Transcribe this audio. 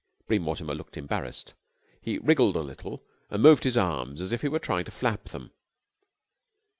Bream Mortimer looked embarrassed. He wriggled a little and moved his arms as if he were trying to flap them.